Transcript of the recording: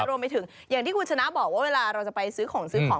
รวมไปถึงอย่างที่คุณชนะบอกว่าเวลาเราจะไปซื้อของซื้อของ